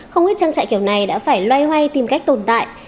không ít trang trại kiểu này đã phải loay hoay tìm cách tồn tại